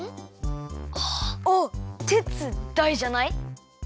「お」「てつ」「だい」じゃない？